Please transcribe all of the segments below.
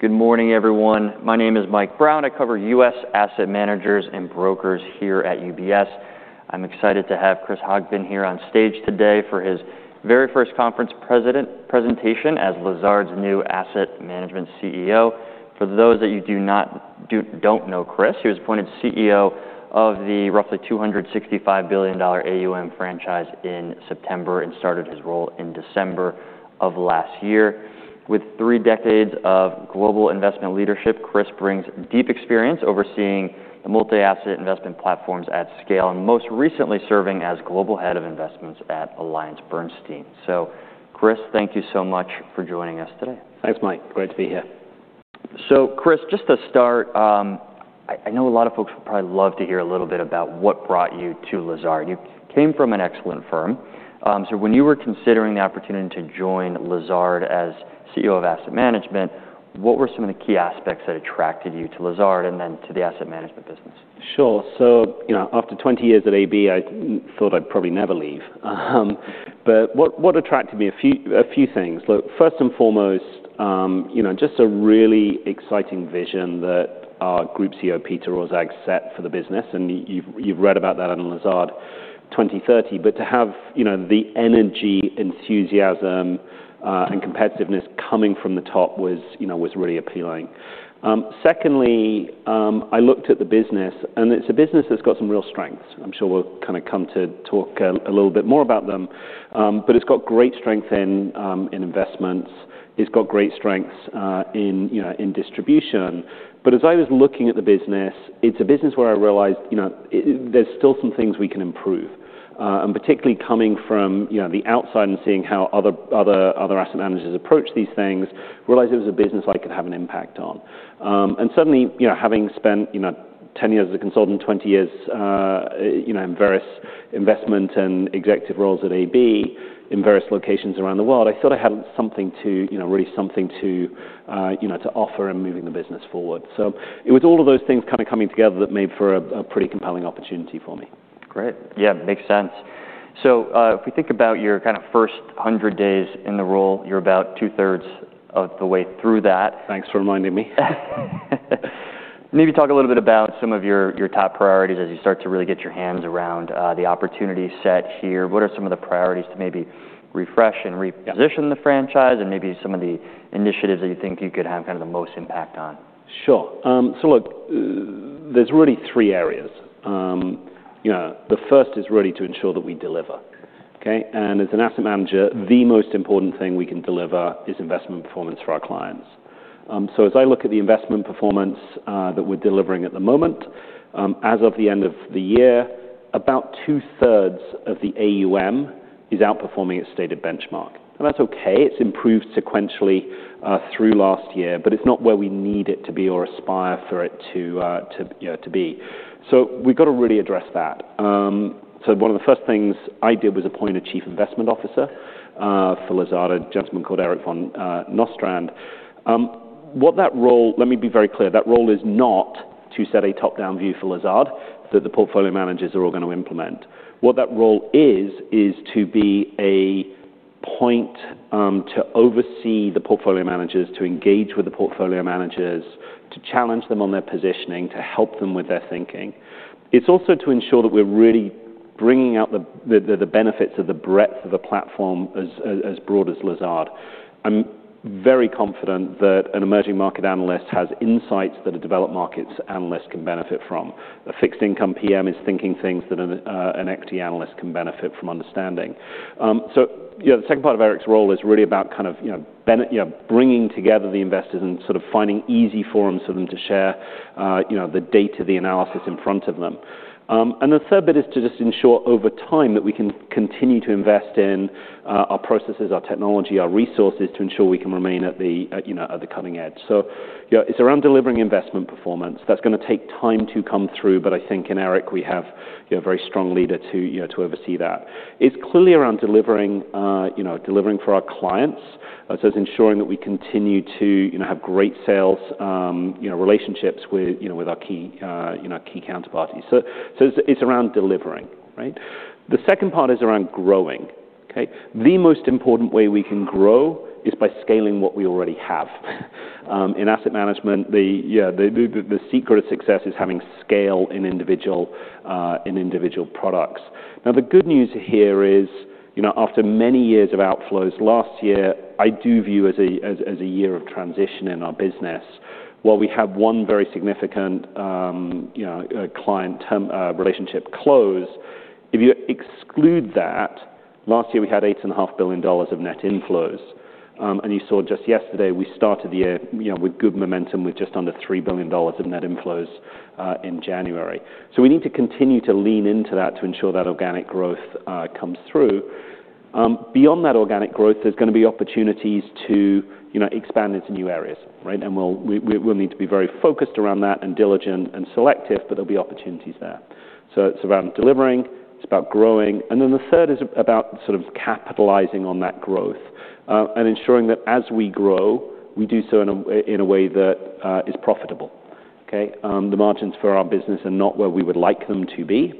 Good morning everyone. My name is Mike Brown. I cover U.S. asset managers and brokers here at UBS. I'm excited to have Chris Hogbin here on stage today for his very first conference president presentation as Lazard's new asset management CEO. For those that you do not know Chris he was appointed CEO of the roughly $265 billion AUM franchise in September and started his role in December of last year. With three decades of global investment leadership Chris brings deep experience overseeing the multi-asset investment platforms at scale and most recently serving as global head of investments at AllianceBernstein. So Chris thank you so much for joining us today. Thanks Mike. Great to be here. So Chris just to start I know a lot of folks would probably love to hear a little bit about what brought you to Lazard. You came from an excellent firm. So when you were considering the opportunity to join Lazard as CEO of asset management what were some of the key aspects that attracted you to Lazard and then to the asset management business? Sure. So you know after 20 years at AB I thought I'd probably never leave, but what attracted me a few things. Look, first and foremost you know just a really exciting vision that our group CEO Peter Orszag set for the business. And you've read about that on Lazard 2030. But to have you know the energy, enthusiasm, and competitiveness coming from the top was you know was really appealing. Secondly, I looked at the business and it's a business that's got some real strengths. I'm sure we'll kinda come to talk a little bit more about them, but it's got great strength in investments. It's got great strengths in you know in distribution. But as I was looking at the business it's a business where I realized you know there's still some things we can improve. Particularly coming from, you know, the outside and seeing how other asset managers approach these things, realized it was a business I could have an impact on. Suddenly, you know, having spent, you know, 10 years as a consultant, 20 years, you know, in various investment and executive roles at AB in various locations around the world, I thought I had something to, you know, really offer in moving the business forward. So it was all of those things kinda coming together that made for a pretty compelling opportunity for me. Great. Yeah makes sense. So if we think about your kinda first 100 days in the role you're about two-thirds of the way through that. Thanks for reminding me. Maybe talk a little bit about some of your your top priorities as you start to really get your hands around the opportunity set here. What are some of the priorities to maybe refresh and reposition the franchise and maybe some of the initiatives that you think you could have kinda the most impact on? Sure. So look, there's really three areas. You know, the first is really to ensure that we deliver. Okay? And as an asset manager, the most important thing we can deliver is investment performance for our clients. So as I look at the investment performance that we're delivering at the moment, as of the end of the year, about two-thirds of the AUM is outperforming its stated benchmark. And that's okay. It's improved sequentially through last year. But it's not where we need it to be or aspire for it to, you know, to be. So we gotta really address that. So one of the first things I did was appoint a Chief Investment Officer for Lazard, a gentleman called Eric Van Nostrand. What that role let me be very clear. That role is not to set a top-down view for Lazard that the portfolio managers are all gonna implement. What that role is is to be a point to oversee the portfolio managers to engage with the portfolio managers to challenge them on their positioning to help them with their thinking. It's also to ensure that we're really bringing out the benefits of the breadth of a platform as broad as Lazard. I'm very confident that an emerging market analyst has insights that a developed markets analyst can benefit from. A fixed income PM is thinking things that an equity analyst can benefit from understanding. You know, the second part of Eric's role is really about kind of, you know, Ben, you know, bringing together the investors and sort of finding easy forums for them to share, you know, the data, the analysis in front of them. And the third bit is to just ensure over time that we can continue to invest in our processes, our technology, our resources to ensure we can remain at the, you know, at the cutting edge. You know it's around delivering investment performance. That's gonna take time to come through. But I think in Eric we have, you know, a very strong leader to, you know, to oversee that. It's clearly around delivering, you know, delivering for our clients. It's ensuring that we continue to, you know, have great sales, you know, relationships with, you know, with our key, you know, key counterparties. So it's around delivering. Right? The second part is around growing. Okay? The most important way we can grow is by scaling what we already have. In asset management the secret of success is having scale in individual products. Now the good news here is you know after many years of outflows last year I do view as a year of transition in our business. While we had one very significant you know client term relationship close if you exclude that last year we had $8.5 billion of net inflows. You saw just yesterday we started the year you know with good momentum with just under $3 billion of net inflows in January. So we need to continue to lean into that to ensure that organic growth comes through. Beyond that organic growth, there's gonna be opportunities to, you know, expand into new areas. Right? And we'll need to be very focused around that and diligent and selective. But there'll be opportunities there. So it's around delivering. It's about growing. And then the third is about sort of capitalizing on that growth and ensuring that as we grow we do so in a way that is profitable. Okay? The margins for our business are not where we would like them to be.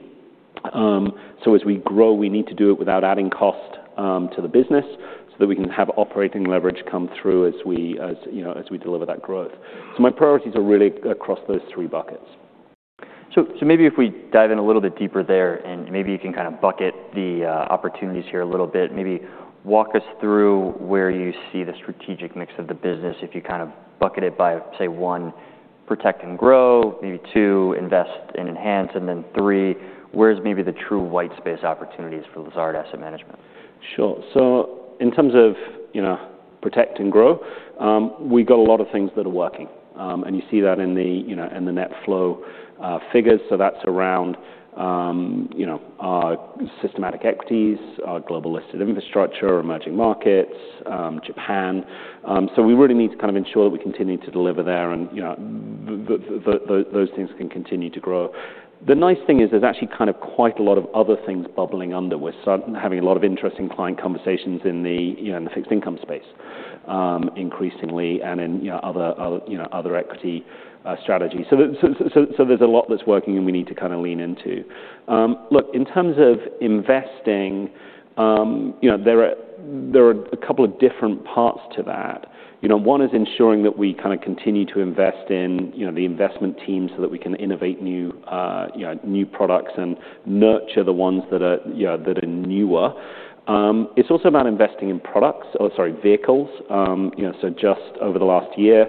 So as we grow we need to do it without adding cost to the business so that we can have operating leverage come through as we, you know, deliver that growth. So my priorities are really across those three buckets. So so maybe if we dive in a little bit deeper there and maybe you can kinda bucket the opportunities here a little bit. Maybe walk us through where you see the strategic mix of the business if you kinda bucket it by say one protect and grow maybe two invest and enhance and then three where's maybe the true white space opportunities for Lazard Asset Management? Sure. So in terms of you know protect and grow we got a lot of things that are working. And you see that in the you know in the net flow figures. So that's around you know our systematic equities our global listed infrastructure emerging markets Japan. So we really need to kinda ensure that we continue to deliver there and you know those things can continue to grow. The nice thing is there's actually kind of quite a lot of other things bubbling under. We're having a lot of interesting client conversations in the you know in the fixed income space increasingly and in you know other other you know other equity strategies. So there's a lot that's working and we need to kinda lean into. Look in terms of investing you know there are there are a couple of different parts to that. You know, 1 is ensuring that we kinda continue to invest in you know the investment team so that we can innovate new you know new products and nurture the ones that are you know that are newer. It's also about investing in products or sorry vehicles. You know, so just over the last year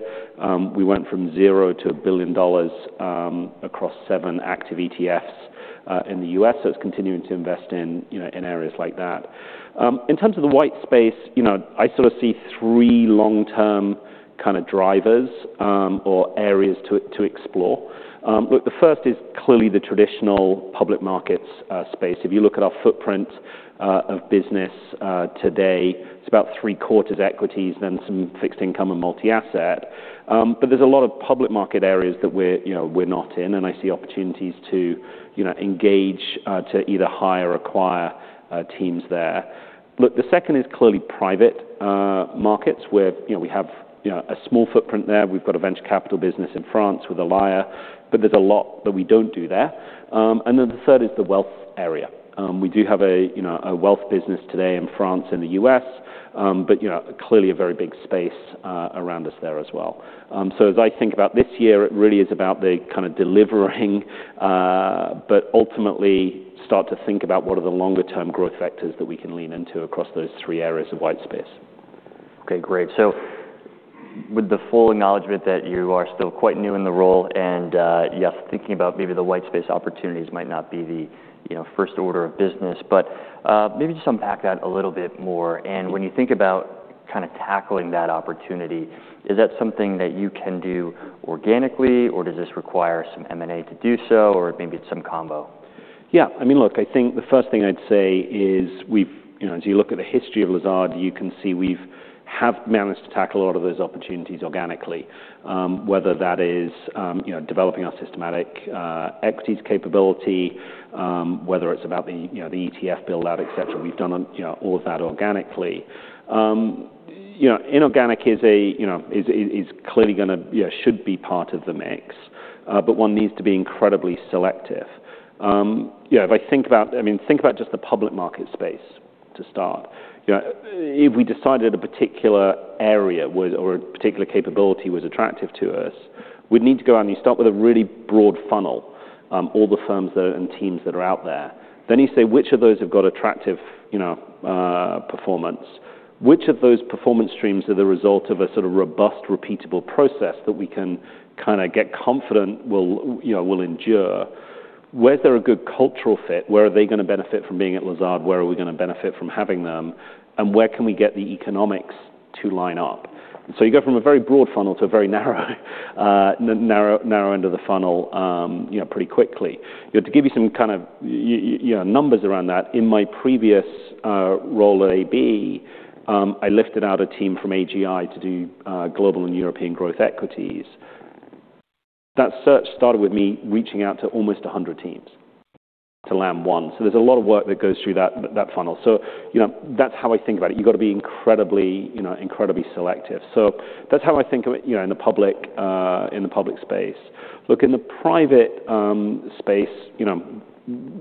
we went from 0 to $1 billion across 7 active ETFs in the U.S. So it's continuing to invest in you know in areas like that. In terms of the white space, you know, I sort of see 3 long-term kinda drivers or areas to explore. Look, the first is clearly the traditional public markets space. If you look at our footprint of business today, it's about three-quarters equities, then some fixed income and multi-asset. But there's a lot of public market areas that we're you know we're not in. I see opportunities to you know engage to either hire acquire teams there. Look, the second is clearly private markets where you know we have you know a small footprint there. We've got a venture capital business in France with Allya. But there's a lot that we don't do there. And then the third is the wealth area. We do have a you know a wealth business today in France and the U.S.. But you know clearly a very big space around us there as well. So as I think about this year it really is about the kinda delivering but ultimately start to think about what are the longer-term growth vectors that we can lean into across those three areas of white space. Okay, great. So, with the full acknowledgement that you are still quite new in the role and yes, thinking about maybe the white space opportunities might not be the, you know, first order of business. But maybe just unpack that a little bit more. And when you think about kinda tackling that opportunity, is that something that you can do organically or does this require some M&A to do so or maybe it's some combo? Yeah. I mean, look, I think the first thing I'd say is we've managed to—you know, as you look at the history of Lazard, you can see we've managed to tackle a lot of those opportunities organically. Whether that is, you know, developing our systematic equities capability, whether it's about the—you know—the ETF build-out, et cetera. We've done, you know, all of that organically. You know, inorganic is—you know—is it is clearly gonna—you know—should be part of the mix. But one needs to be incredibly selective. You know, if I think about—I mean, think about just the public market space to start. You know, if we decided a particular area was, or a particular capability was, attractive to us, we'd need to go out and you start with a really broad funnel, all the firms that are and teams that are out there. Then you say which of those have got attractive, you know, performance? Which of those performance streams are the result of a sort of robust repeatable process that we can kinda get confident will, you know, will endure? Where's there a good cultural fit? Where are they gonna benefit from being at Lazard? Where are we gonna benefit from having them? And where can we get the economics to line up? And so you go from a very broad funnel to a very narrow end of the funnel, you know, pretty quickly. You know, to give you some kind of you know numbers around that. In my previous role at AB, I lifted out a team from AGI to do global and European growth equities. That search started with me reaching out to almost 100 teams to land one. So there's a lot of work that goes through that funnel. So you know that's how I think about it. You gotta be incredibly you know incredibly selective. So that's how I think of it you know in the public space. Look, in the private space you know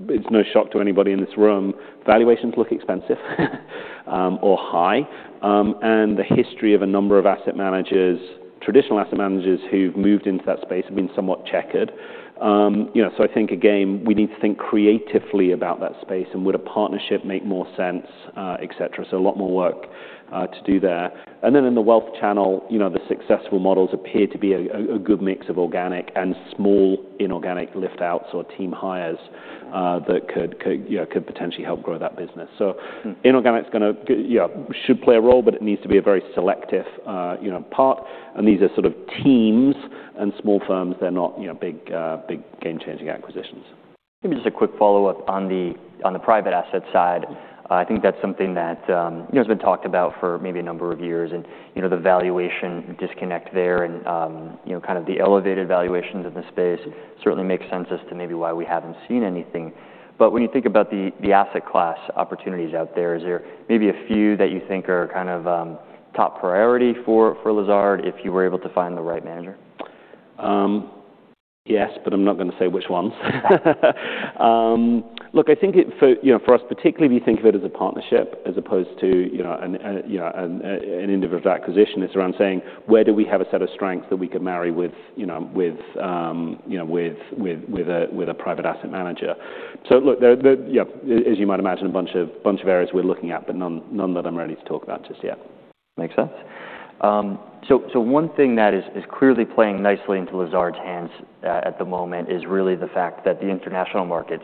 it's no shock to anybody in this room valuations look expensive or high. And the history of a number of asset managers traditional asset managers who've moved into that space have been somewhat checkered. You know so I think again we need to think creatively about that space. Would a partnership make more sense et cetera? A lot more work to do there. Then in the wealth channel, you know, the successful models appear to be a good mix of organic and small inorganic liftouts or team hires that could, you know, potentially help grow that business. Inorganic's gonna, you know, should play a role but it needs to be a very selective, you know, part. These are sort of teams and small firms. They're not, you know, big game-changing acquisitions. Maybe just a quick follow-up on the private asset side. I think that's something that you know has been talked about for maybe a number of years. And you know the valuation disconnect there and you know kinda the elevated valuations in the space certainly makes sense as to maybe why we haven't seen anything. But when you think about the asset class opportunities out there, is there maybe a few that you think are kind of top priority for Lazard if you were able to find the right manager? Yes, but I'm not gonna say which ones. Look, I think it for, you know, for us particularly if you think of it as a partnership as opposed to, you know, an individual acquisition. It's around saying where do we have a set of strengths that we could marry with, you know, with a private asset manager. So, look, there, you know, as you might imagine, a bunch of areas we're looking at, but none that I'm ready to talk about just yet. Makes sense. So one thing that is clearly playing nicely into Lazard's hands at the moment is really the fact that the international markets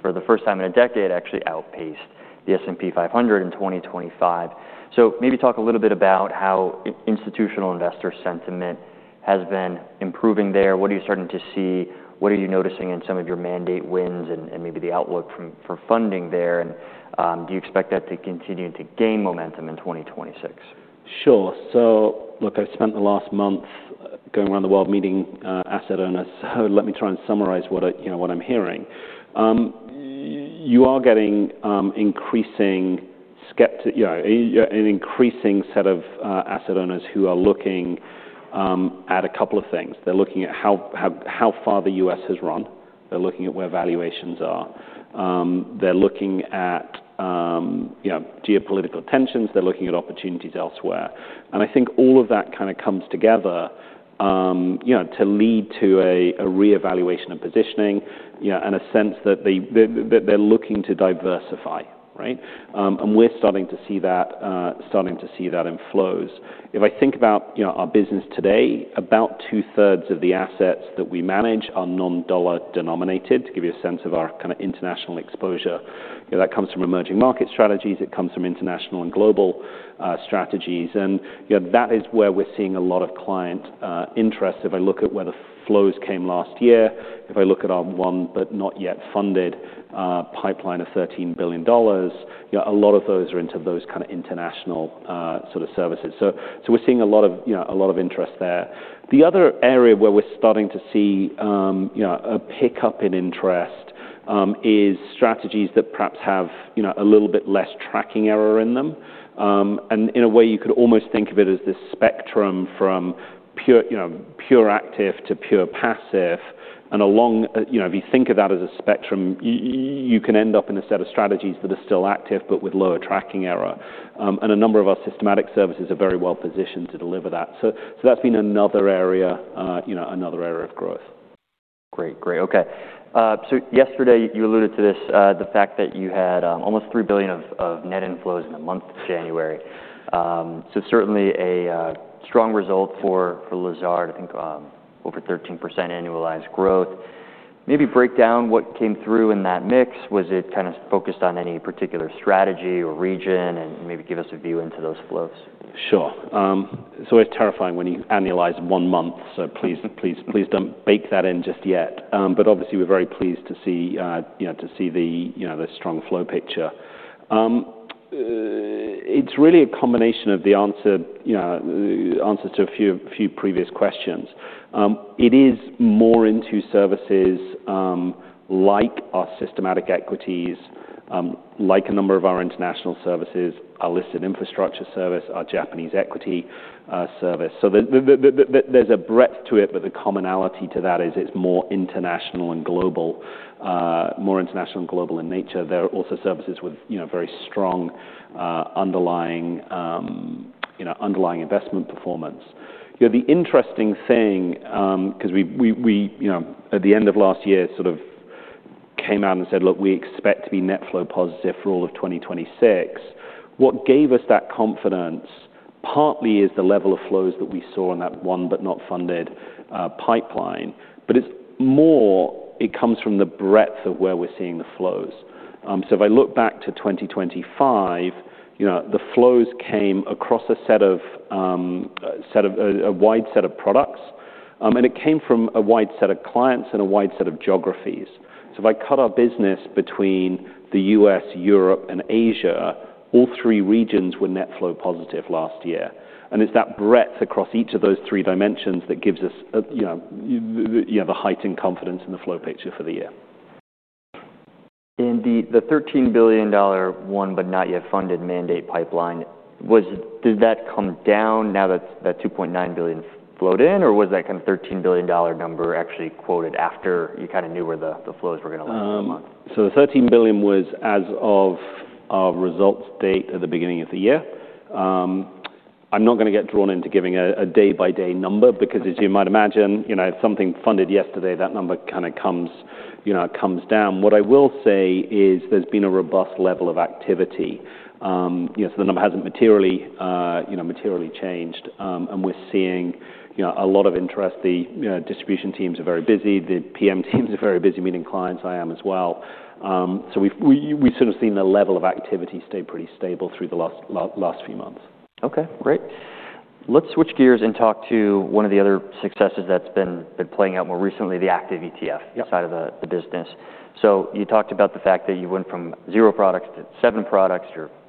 for the first time in a decade actually outpaced the S&P 500 in 2025. So maybe talk a little bit about how institutional investor sentiment has been improving there. What are you starting to see? What are you noticing in some of your mandate wins and maybe the outlook for funding there? And do you expect that to continue to gain momentum in 2026? Sure. So look, I've spent the last month going around the world meeting asset owners. So let me try and summarize what I, you know, what I'm hearing. You are getting increasing skeptic, you know, an increasing set of asset owners who are looking at a couple of things. They're looking at how far the U.S. has run. They're looking at where valuations are. They're looking at, you know, geopolitical tensions. They're looking at opportunities elsewhere. And I think all of that kinda comes together, you know, to lead to a reevaluation of positioning, you know, and a sense that they, that they're looking to diversify. Right? And we're starting to see that in flows. If I think about, you know, our business today, about two-thirds of the assets that we manage are non-dollar denominated to give you a sense of our kinda international exposure. You know that comes from emerging market strategies. It comes from international and global strategies. And you know that is where we're seeing a lot of client interest. If I look at where the flows came last year, if I look at our $1 billion but not yet funded pipeline of $13 billion, you know a lot of those are into those kinda international sort of services. So we're seeing a lot of, you know, a lot of interest there. The other area where we're starting to see, you know, a pick-up in interest is strategies that perhaps have, you know, a little bit less tracking error in them. In a way, you could almost think of it as this spectrum from pure, you know, pure active to pure passive. Along, you know, if you think of that as a spectrum, you can end up in a set of strategies that are still active but with lower tracking error. A number of our systematic services are very well positioned to deliver that. So that's been another area you know another area of growth. Great, great. Okay. So yesterday you alluded to this, the fact that you had almost $3 billion of net inflows in a month, January. So certainly a strong result for Lazard. I think over 13% annualized growth. Maybe break down what came through in that mix. Was it kinda focused on any particular strategy or region? And maybe give us a view into those flows. Sure. It's always terrifying when you annualize one month. So please please please don't bake that in just yet. But obviously we're very pleased to see you know to see the you know the strong flow picture. It's really a combination of the answer you know the answers to a few a few previous questions. It is more into services like our systematic equities like a number of our international services our listed infrastructure service our Japanese equity service. So there's a breadth to it but the commonality to that is it's more international and global more international and global in nature. There are also services with you know very strong underlying you know underlying investment performance. You know the interesting thing 'cause we you know at the end of last year sort of came out and said look we expect to be net flow positive for all of 2026. What gave us that confidence partly is the level of flows that we saw in that one but not funded pipeline. But it's more it comes from the breadth of where we're seeing the flows. So if I look back to 2025 you know the flows came across a wide set of products. And it came from a wide set of clients and a wide set of geographies. So if I cut our business between the U.S., Europe and Asia all three regions were net flow positive last year. It's that breadth across each of those three dimensions that gives us, you know, year-over-year, you know, the heightened confidence in the flow picture for the year. In the $13 billion one but not yet funded mandate pipeline, did that come down now that $2.9 billion inflowed or was that kinda $13 billion number actually quoted after you kinda knew where the flows were gonna land in a month? So the $13 billion was as of our results date at the beginning of the year. I'm not gonna get drawn into giving a day-by-day number because as you might imagine you know if something funded yesterday that number kinda comes you know down. What I will say is there's been a robust level of activity. You know so the number hasn't materially you know materially changed. And we're seeing you know a lot of interest. The you know distribution teams are very busy. The PM teams are very busy meeting clients. I am as well. So we've sort of seen the level of activity stay pretty stable through the last few months. Okay, great. Let's switch gears and talk to one of the other successes that's been playing out more recently, the active ETF. Yep. Side of the business. So you talked about the fact that you went from 0 products to 7 products.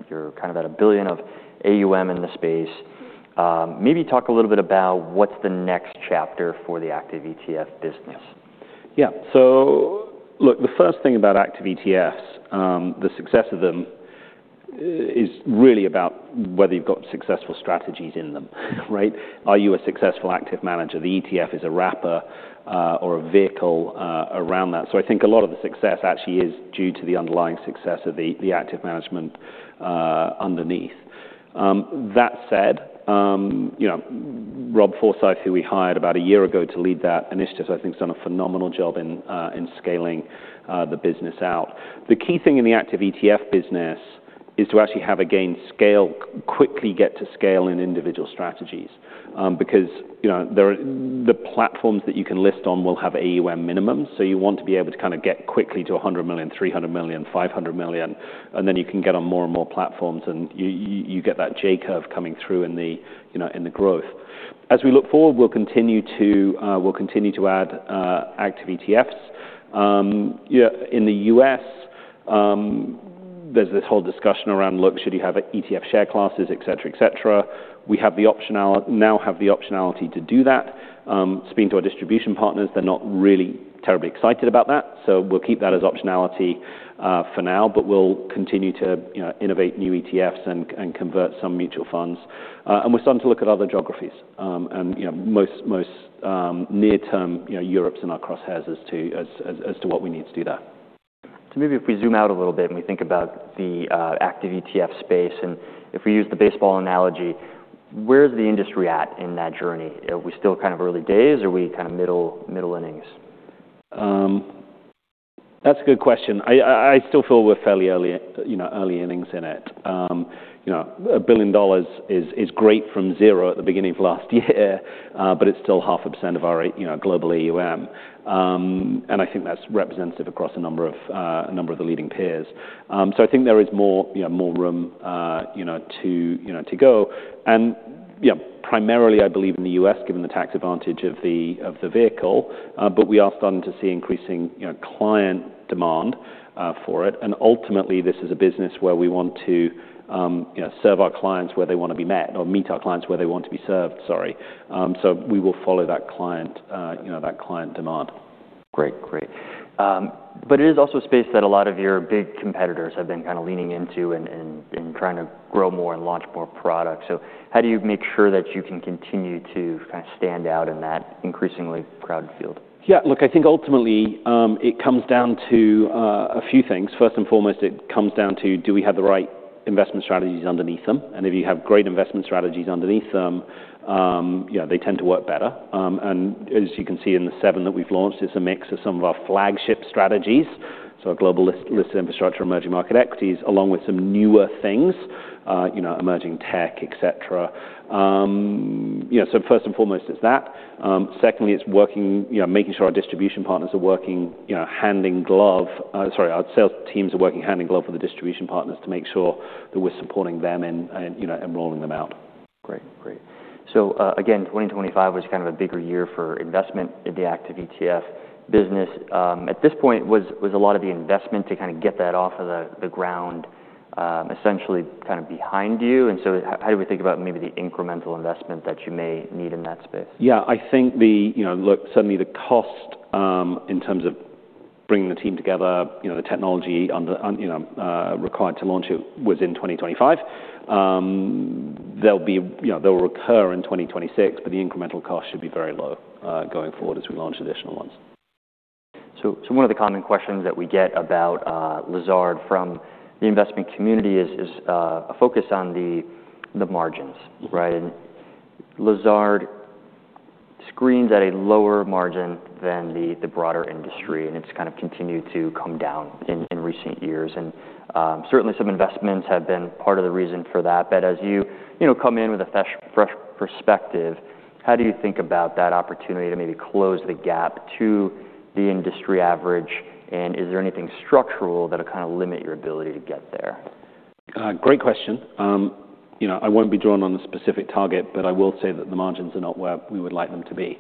You're kinda at $1 billion of AUM in the space. Maybe talk a little bit about what's the next chapter for the Active ETF business. Yeah. Yeah. So look, the first thing about active ETFs, the success of them is really about whether you've got successful strategies in them. Right? Are you a successful active manager? The ETF is a wrapper or a vehicle around that. So I think a lot of the success actually is due to the underlying success of the active management underneath. That said, you know, Rob Forsyth, who we hired about a year ago to lead that initiative, I think he's done a phenomenal job in scaling the business out. The key thing in the active ETF business is to actually have again scale quickly, get to scale in individual strategies, because you know there are the platforms that you can list on will have AUM minimums. So you want to be able to kinda get quickly to $100 million, $300 million, $500 million. Then you can get on more and more platforms and you get that J curve coming through in the, you know, in the growth. As we look forward, we'll continue to add active ETFs. You know, in the U.S. there's this whole discussion around, look, should you have an ETF share class et cetera, et cetera. We now have the optionality to do that. Speaking to our distribution partners, they're not really terribly excited about that. So we'll keep that as optionality for now, but we'll continue to, you know, innovate new ETFs and convert some mutual funds. And we're starting to look at other geographies. You know, most near term, you know, Europe's in our crosshairs as to what we need to do there. Maybe if we zoom out a little bit and we think about the active ETF space and if we use the baseball analogy where's the industry at in that journey? Are we still kinda early days or are we kinda middle middle innings? That's a good question. I still feel we're fairly early, you know, early innings in it. You know, $1 billion is great from 0 at the beginning of last year, but it's still 0.5% of our, you know, global AUM. And I think that's representative across a number of the leading peers. So I think there is more, you know, more room to go. And you know, primarily I believe in the US given the tax advantage of the vehicle. But we are starting to see increasing, you know, client demand for it. And ultimately this is a business where we want to, you know, serve our clients where they wanna be met or meet our clients where they want to be served. Sorry. We will follow that client, you know, that client demand. Great, great. But it is also a space that a lot of your big competitors have been kinda leaning into and trying to grow more and launch more products. So how do you make sure that you can continue to kinda stand out in that increasingly crowded field? Yeah, look, I think ultimately it comes down to a few things. First and foremost, it comes down to do we have the right investment strategies underneath them. And if you have great investment strategies underneath them, you know, they tend to work better. And as you can see in the seven that we've launched, it's a mix of some of our flagship strategies. So our global listed infrastructure, emerging market equities, along with some newer things, you know, emerging tech, et cetera. You know, so first and foremost it's that. Secondly, it's working, you know, making sure our distribution partners are working, you know, hand in glove—sorry, our sales teams are working hand in glove with the distribution partners to make sure that we're supporting them in and you know rolling them out. Great, great. So again, 2025 was kinda a bigger year for investment in the active ETF business. At this point, a lot of the investment to kinda get that off of the ground essentially kinda behind you. And so how do we think about maybe the incremental investment that you may need in that space? Yeah, I think, you know, look, suddenly the cost in terms of bringing the team together, you know, the technology under on, you know, required to launch it was in 2025. There'll be, you know, they'll recur in 2026, but the incremental cost should be very low going forward as we launch additional ones. One of the common questions that we get about Lazard from the investment community is a focus on the margins. Mm-hmm. Right? And Lazard screens at a lower margin than the broader industry. And it's kinda continued to come down in recent years. And certainly some investments have been part of the reason for that. But as you know come in with a fresh perspective how do you think about that opportunity to maybe close the gap to the industry average? And is there anything structural that'll kinda limit your ability to get there? Great question. You know, I won't be drawn on a specific target, but I will say that the margins are not where we would like them to be.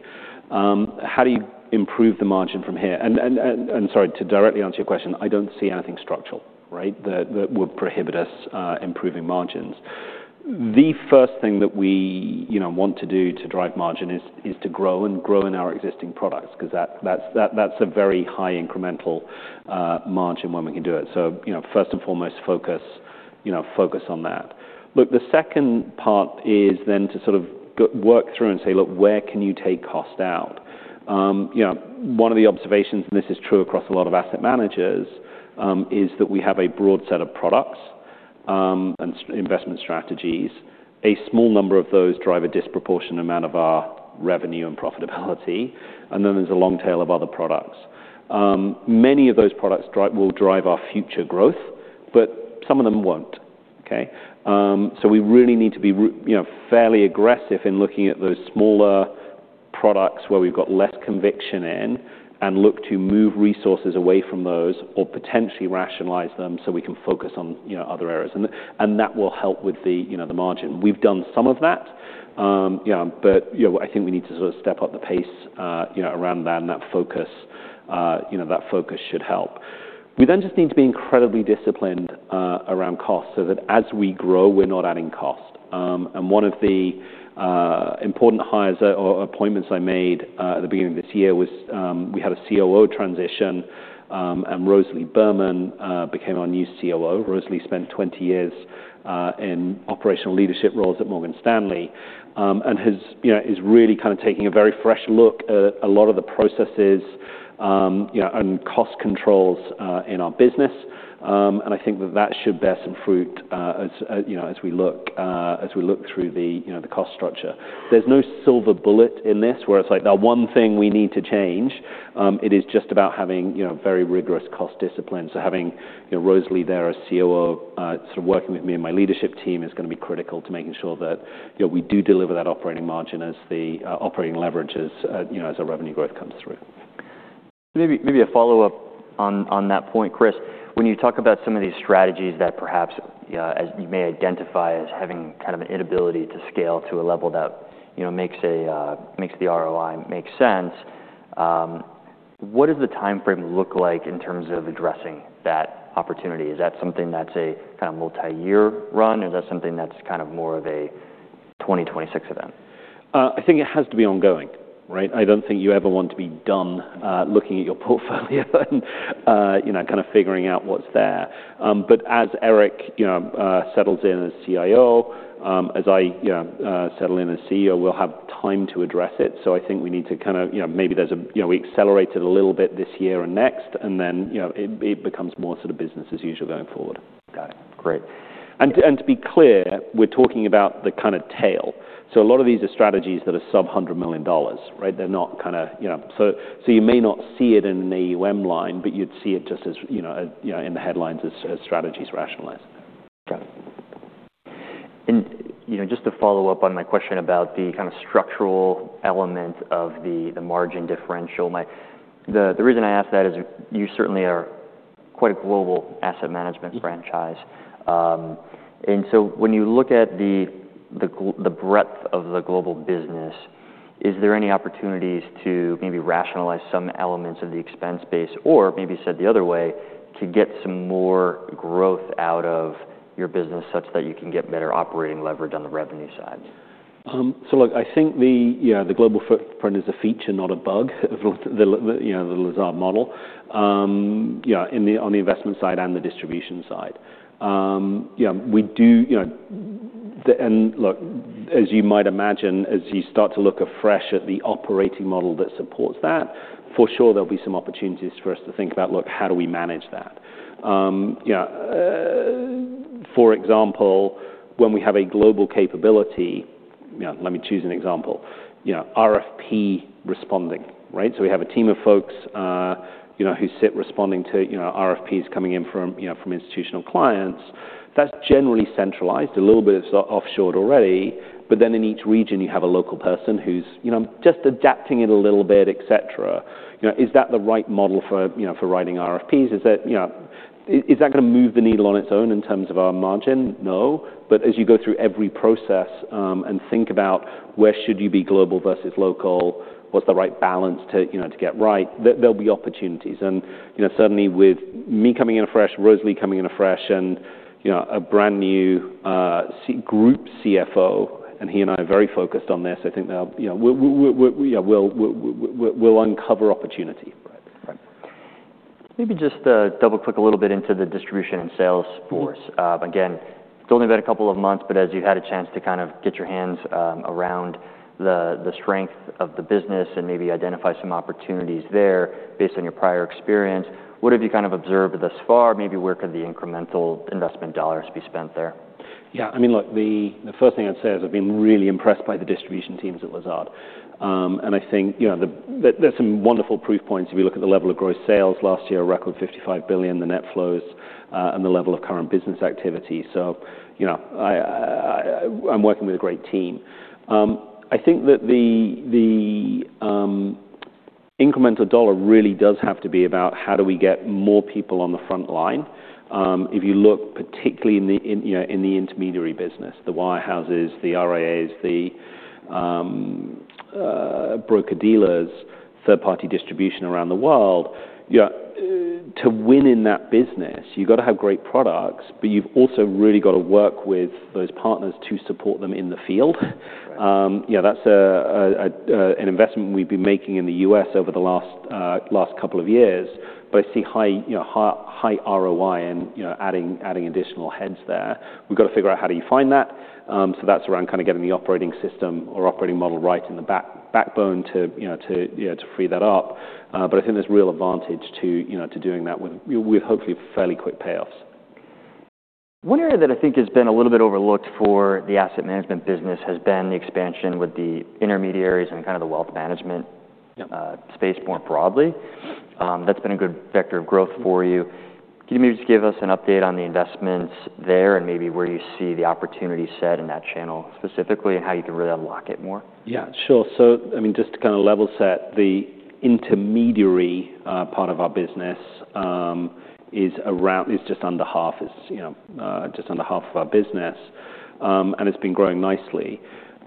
How do you improve the margin from here? And sorry to directly answer your question, I don't see anything structural. Right? That would prohibit us improving margins. The first thing that we, you know, want to do to drive margin is to grow and grow in our existing products. 'Cause that's a very high incremental margin when we can do it. So you know, first and foremost focus, you know, focus on that. Look, the second part is then to sort of go work through and say look, where can you take cost out. You know, one of the observations, and this is true across a lot of asset managers, is that we have a broad set of products and investment strategies. A small number of those drive a disproportionate amount of our revenue and profitability. And then there's a long tail of other products. Many of those products will drive our future growth, but some of them won't. Okay? So we really need to be, you know, fairly aggressive in looking at those smaller products where we've got less conviction in and look to move resources away from those or potentially rationalize them so we can focus on, you know, other areas. And that will help with, you know, the margin. We've done some of that, you know, but, you know, I think we need to sort of step up the pace, you know, around that, and that focus, you know, that focus should help. We then just need to be incredibly disciplined around cost so that as we grow we're not adding cost. And one of the important hires or appointments I made at the beginning of this year was we had a COO transition. And Rosalie Berman became our new COO. Rosalie spent 20 years in operational leadership roles at Morgan Stanley. And has, you know, is really kinda taking a very fresh look at a lot of the processes, you know, and cost controls in our business. And I think that that should bear some fruit as, you know, as we look, as we look through the, you know, the cost structure. There's no silver bullet in this where it's like there'll be one thing we need to change. It is just about having, you know, very rigorous cost discipline. So having, you know, Rosalie there as COO, sort of working with me and my leadership team, is gonna be critical to making sure that, you know, we do deliver that operating margin as the operating leverage as, you know, as our revenue growth comes through. Maybe a follow-up on that point, Chris. When you talk about some of these strategies that perhaps you know as you may identify as having kind of an inability to scale to a level that you know makes the ROI makes sense, what does the time frame look like in terms of addressing that opportunity? Is that something that's kinda multi-year run or is that something that's kinda more of a 2026 event? I think it has to be ongoing. Right? I don't think you ever want to be done looking at your portfolio and you know kinda figuring out what's there. But as Eric, you know, settles in as CIO, as I, you know, settle in as CEO, we'll have time to address it. So I think we need to kinda you know maybe there's a you know we accelerate it a little bit this year and next and then you know it it becomes more sort of business as usual going forward. Got it, great. To be clear, we're talking about the kinda tail. So a lot of these are strategies that are sub $100 million. Right? They're not kinda you know so you may not see it in an AUM line but you'd see it just as you know a you know in the headlines as strategies rationalized. Got it. And you know, just to follow up on my question about the kinda structural element of the margin differential. My, the reason I ask that is you certainly are quite a global asset management franchise, and so when you look at the breadth of the global business, is there any opportunities to maybe rationalize some elements of the expense base or maybe said the other way to get some more growth out of your business such that you can get better operating leverage on the revenue side? So look, I think the, you know, the global footprint is a feature not a bug of the Lazard model. You know, in the, on the investment side and the distribution side. You know, we do, you know, the, and look, as you might imagine, as you start to look afresh at the operating model that supports that, for sure there'll be some opportunities for us to think about, look, how do we manage that. You know, for example, when we have a global capability, you know, let me choose an example. You know, RFP responding. Right? So we have a team of folks, you know, who sit responding to, you know, RFPs coming in from, you know, from institutional clients. That's generally centralized. A little bit of so offshore already. But then in each region you have a local person who's, you know, just adapting it a little bit, et cetera. You know, is that the right model for, you know, for writing RFPs? Is that, you know, is that gonna move the needle on its own in terms of our margin? No. But as you go through every process and think about where should you be global versus local, what's the right balance to, you know, to get right? There, there'll be opportunities. And you know certainly with me coming in afresh, Rosalie coming in afresh, and you know a brand new C group CFO, and he and I are very focused on this. I think they'll, you know, we'll uncover opportunity. Right, right. Maybe just double click a little bit into the distribution and sales force. Again, it's only been a couple of months but as you've had a chance to kind of get your hands around the strength of the business and maybe identify some opportunities there based on your prior experience what have you kind of observed thus far? Maybe where could the incremental investment dollars be spent there? Yeah, I mean, look, the first thing I'd say is I've been really impressed by the distribution teams at Lazard. And I think, you know, that there's some wonderful proof points if you look at the level of gross sales last year, a record $55 billion, the net flows, and the level of current business activity. So, you know, I'm working with a great team. I think that the incremental dollar really does have to be about how do we get more people on the front line. If you look particularly in, you know, in the intermediary business, the wirehouses, the RIAs, the broker dealers, third-party distribution around the world, you know, to win in that business you gotta have great products but you've also really gotta work with those partners to support them in the field. Right. You know that's an investment we've been making in the US over the last couple of years. But I see high, you know, high ROI in you know adding additional heads there. We've gotta figure out how do you find that. So that's around kinda getting the operating system or operating model right in the backbone to you know to free that up. But I think there's real advantage to you know to doing that with you know with hopefully fairly quick payoffs. One area that I think has been a little bit overlooked for the asset management business has been the expansion with the intermediaries and kinda the wealth management. Yep. Space more broadly. That's been a good vector of growth for you. Can you maybe just give us an update on the investments there and maybe where you see the opportunity set in that channel specifically and how you can really unlock it more? Yeah, sure. So I mean just to kinda level set, the intermediary part of our business is around just under half—you know, just under half—of our business. And it's been growing nicely.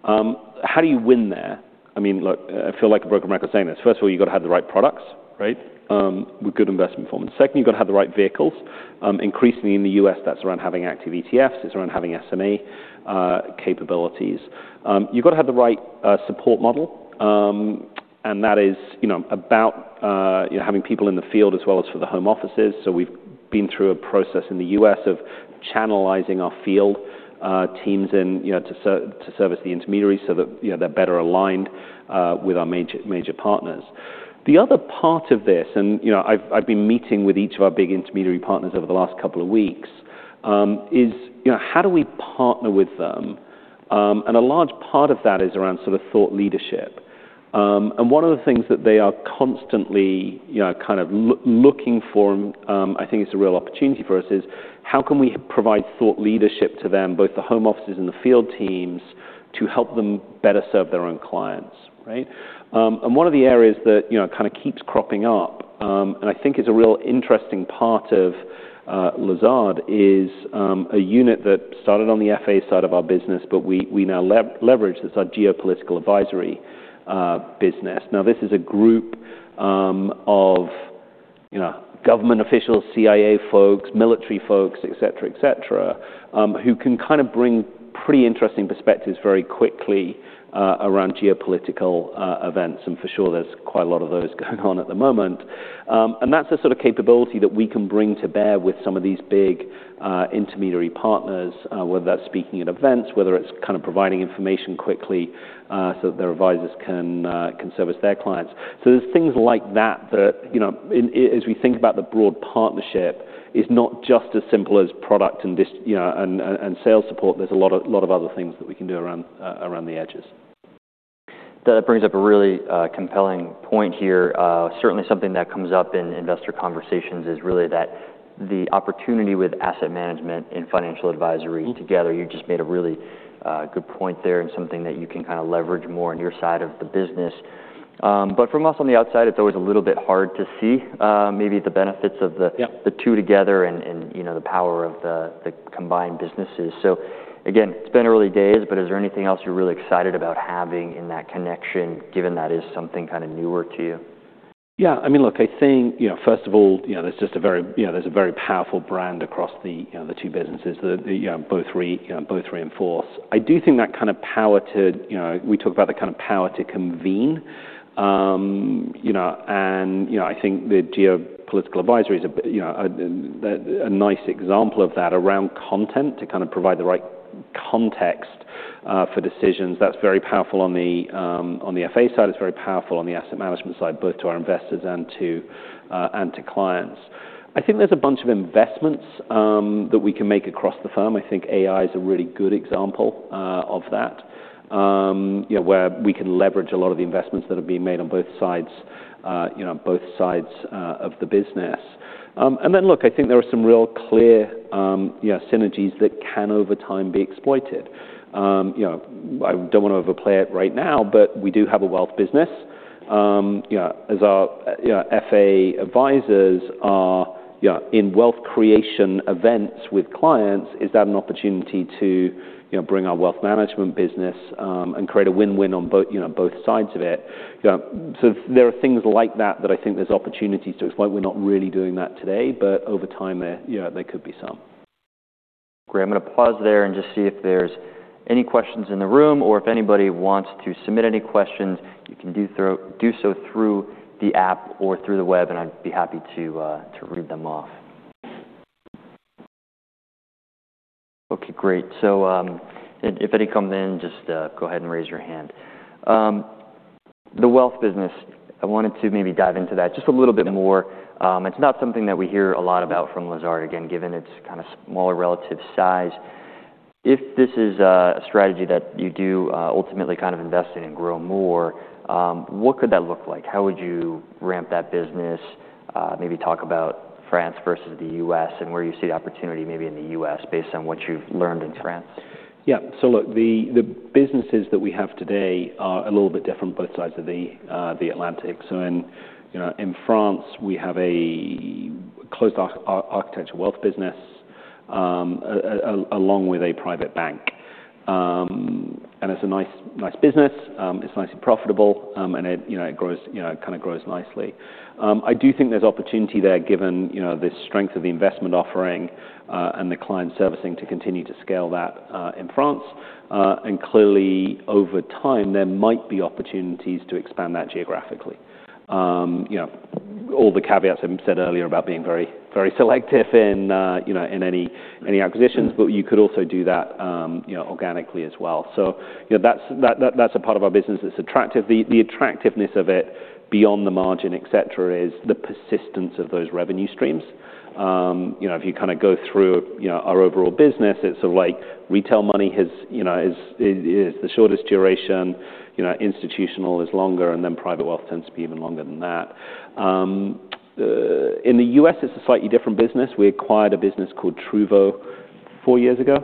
How do you win there? I mean, look, I feel like a broken record saying this. First of all, you gotta have the right products. Right? With good investment performance. Second, you gotta have the right vehicles. Increasingly in the U.S., that's around having active ETFs. It's around having SMA capabilities. You gotta have the right support model. And that is, you know, about—you know—having people in the field as well as for the home offices. So we've been through a process in the U.S. of channelizing our field teams, you know, to service the intermediaries so that, you know, they're better aligned with our major partners. The other part of this, and you know I've been meeting with each of our big intermediary partners over the last couple of weeks, is you know how do we partner with them. A large part of that is around sort of thought leadership. And one of the things that they are constantly you know kind of looking for and I think it's a real opportunity for us is how can we provide thought leadership to them both the home offices and the field teams to help them better serve their own clients. Right? And one of the areas that you know kind of keeps cropping up and I think is a real interesting part of Lazard is a unit that started on the FA side of our business but we now leverage that's our geopolitical advisory business. Now this is a group of, you know, government officials, CIA folks, military folks, et cetera, et cetera, who can kinda bring pretty interesting perspectives very quickly around geopolitical events. For sure there's quite a lot of those going on at the moment. That's a sort of capability that we can bring to bear with some of these big intermediary partners, whether that's speaking at events, whether it's kinda providing information quickly so that their advisors can service their clients. So there's things like that that, you know, in IAs we think about the broad partnership is not just as simple as product and dis, you know, and sales support. There's a lot of a lot of other things that we can do around around the edges. That brings up a really compelling point here. Certainly something that comes up in investor conversations is really that the opportunity with asset management and financial advisory together. Mm-hmm. You just made a really good point there and something that you can kinda leverage more on your side of the business. But from us on the outside it's always a little bit hard to see maybe the benefits of the. Yep. The two together and you know the power of the combined businesses. So again it's been early days but is there anything else you're really excited about having in that connection given that is something kinda newer to you? Yeah, I mean, look, I think, you know, first of all, you know, there's just a very, you know, there's a very powerful brand across the, you know, the two businesses that, you know, both reinforce. I do think that kind of power too, you know, we talk about the kind of power to convene. You know, and, you know, I think the geopolitical advisory is a big, you know, idea, a nice example of that around content to kind of provide the right context for decisions. That's very powerful on the FA side. It's very powerful on the asset management side both to our investors and to clients. I think there's a bunch of investments that we can make across the firm. I think AI is a really good example of that. You know where we can leverage a lot of the investments that are being made on both sides, you know, both sides of the business. And then look, I think there are some real clear, you know, synergies that can over time be exploited. You know, I don't wanna overplay it right now, but we do have a wealth business. You know, as our, you know, FA advisors are, you know, in wealth creation events with clients, is that an opportunity to, you know, bring our wealth management business and create a win-win on both, you know, both sides of it. You know, so there are things like that that I think there's opportunities to exploit. We're not really doing that today, but over time there, you know, there could be some. Great. I'm gonna pause there and just see if there's any questions in the room or if anybody wants to submit any questions you can do so through the app or through the web and I'd be happy to read them off. Okay great. So if any come then just go ahead and raise your hand. The wealth business I wanted to maybe dive into that just a little bit more. It's not something that we hear a lot about from Lazard again given its kinda smaller relative size. If this is a strategy that you do ultimately kind of invest in and grow more what could that look like? How would you ramp that business maybe talk about France versus the U.S. and where you see the opportunity maybe in the U.S. based on what you've learned in France? Yeah, so look, the businesses that we have today are a little bit different both sides of the Atlantic. So in, you know, in France we have a closed-architecture wealth business along with a private bank. And it's a nice business. It's nicely profitable. And it, you know, it grows, you know, kinda grows nicely. I do think there's opportunity there given, you know, the strength of the investment offering and the client servicing to continue to scale that in France. And clearly over time there might be opportunities to expand that geographically. You know, all the caveats I've said earlier about being very selective in, you know, in any acquisitions, but you could also do that, you know, organically as well. So, you know, that's a part of our business that's attractive. The attractiveness of it beyond the margin et cetera is the persistence of those revenue streams. You know, if you kinda go through, you know, our overall business, it's sort of like retail money has, you know, is the shortest duration. You know, institutional is longer and then private wealth tends to be even longer than that. In the U.S., it's a slightly different business. We acquired a business called Truvvo four years ago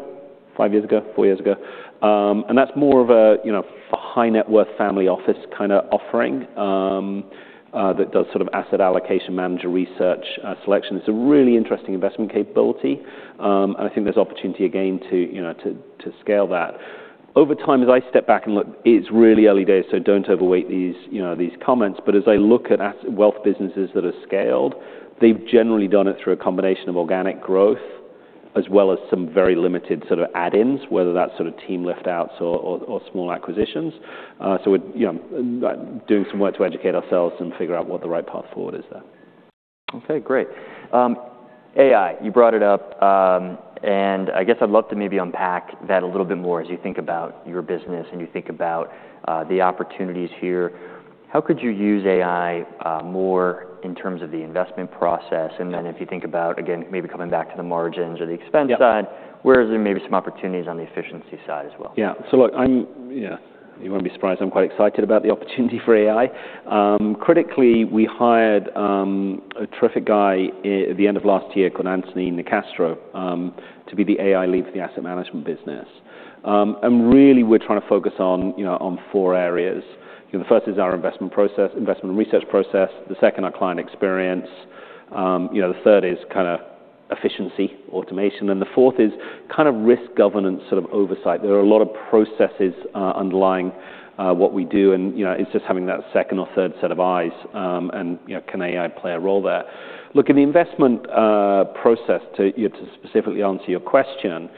five years ago four years ago. And that's more of a, you know, a high net worth family office kinda offering that does sort of asset allocation manager research selection. It's a really interesting investment capability. And I think there's opportunity again to, you know, to scale that. Over time, as I step back and look, it's really early days, so don't overweight these, you know, these comments. But as I look at asset wealth businesses that have scaled, they've generally done it through a combination of organic growth as well as some very limited sort of add-ins, whether that's sort of team liftouts or small acquisitions. So we're, you know, doing some work to educate ourselves and figure out what the right path forward is there. Okay great. AI you brought it up and I guess I'd love to maybe unpack that a little bit more as you think about your business and you think about the opportunities here. How could you use AI more in terms of the investment process and then if you think about again maybe coming back to the margins or the expense side? Yep. Where is there maybe some opportunities on the efficiency side as well? Yeah, so look, I'm, you know, you won't be surprised. I'm quite excited about the opportunity for AI. Critically, we hired a terrific guy, I, at the end of last year called Anthony Nicastro to be the AI lead for the asset management business. And really, we're trying to focus on, you know, on four areas. You know, the first is our investment process, investment research process. The second, our client experience. You know, the third is kinda efficiency automation. And the fourth is kinda risk governance, sort of oversight. There are a lot of processes underlying what we do, and you know, it's just having that second or third set of eyes. And you know, can AI play a role there? Look, in the investment process, to, you know, to specifically answer your question,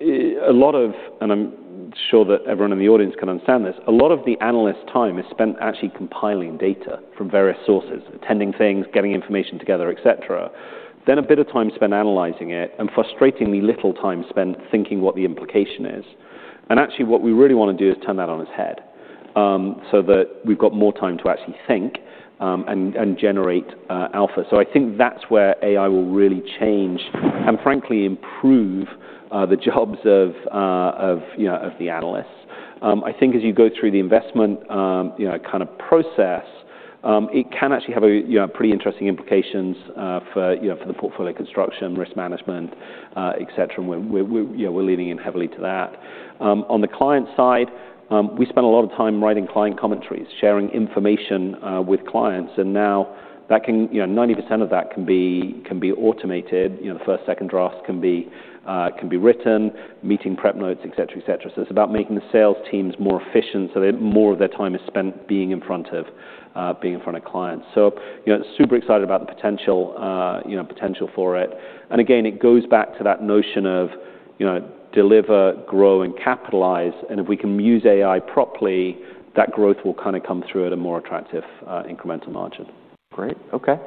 and I'm sure that everyone in the audience can understand this: a lot of the analyst time is spent actually compiling data from various sources, attending things, getting information together, et cetera. Then a bit of time spent analyzing it and frustratingly little time spent thinking what the implication is. And actually what we really wanna do is turn that on its head so that we've got more time to actually think and generate alpha. So I think that's where AI will really change and frankly improve the jobs of, you know, of the analysts. I think as you go through the investment, you know, kinda process, it can actually have a, you know, pretty interesting implications for, you know, for the portfolio construction, risk management, et cetera. We're leaning in heavily to that. On the client side, we spend a lot of time writing client commentaries, sharing information with clients. And now that can, you know, 90% of that can be automated. You know, the first- and second-drafts can be written, meeting prep notes, et cetera, et cetera. So it's about making the sales teams more efficient so they more of their time is spent being in front of clients. So, you know, super excited about the potential, you know, potential for it. And again, it goes back to that notion of, you know, deliver, grow, and capitalize. And if we can use AI properly, that growth will kinda come through at a more attractive incremental margin. Great. Okay.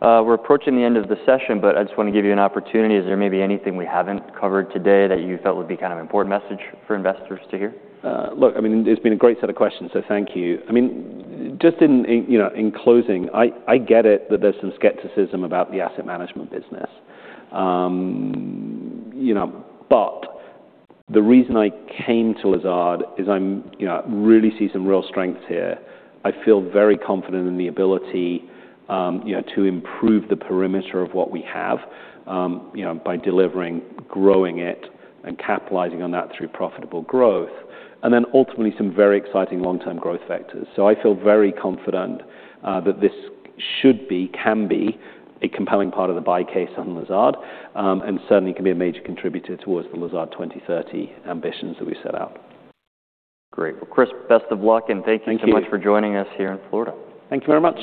We're approaching the end of the session, but I just wanna give you an opportunity. Is there maybe anything we haven't covered today that you felt would be kind of important message for investors to hear? Look, I mean, there's been a great set of questions, so thank you. I mean, just in, I you know, in closing, I get it that there's some skepticism about the asset management business. You know, but the reason I came to Lazard is I'm you know I really see some real strengths here. I feel very confident in the ability you know to improve the perimeter of what we have you know by delivering, growing it, and capitalizing on that through profitable growth. And then ultimately some very exciting long-term growth vectors. So I feel very confident that this should be can be a compelling part of the buy case on Lazard. And certainly can be a major contributor towards the Lazard 2030 ambitions that we've set out. Great. Well, Chris, best of luck and thank you. Thank you. So much for joining us here in Florida. Thank you very much.